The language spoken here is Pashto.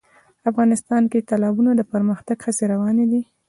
افغانستان کې د تالابونه د پرمختګ هڅې روانې دي.